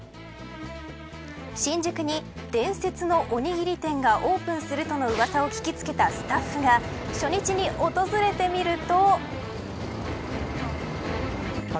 新宿に伝説のおにぎり店がオープンするとのうわさを聞きつけたスタッフが初日に訪れてみると。